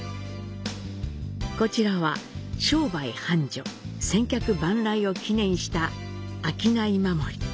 こちらは、商売繁盛・千客万来を祈念した「商い守」。